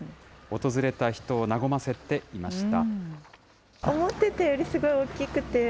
訪れた人を和ませていました。